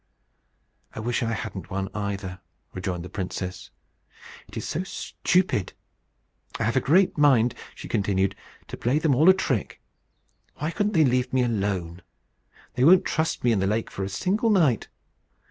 "I wish I hadn't one either," rejoined the princess; "it is so stupid! I have a great mind," she continued, "to play them all a trick. Why couldn't they leave me alone? They won't trust me in the lake for a single night!